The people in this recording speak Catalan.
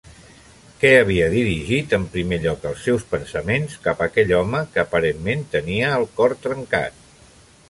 Què havia dirigit en primer lloc els seus pensaments cap a aquell home que, aparentment, tenia el cor trencat?